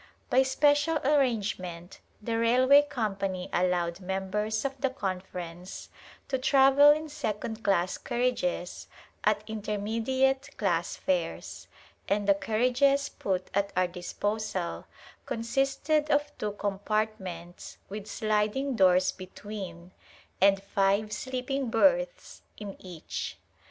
By special arrangement the railway company allowed members of the Conference to travel in second class carriages at intermediate class fares, and the carriages put at our disposal consisted of two compartments with sliding doors between and five sleeping berths in each.